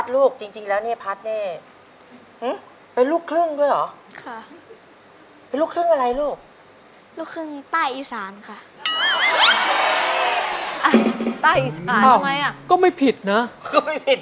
ก็ครึ่งใต้ครึ่งอีสาน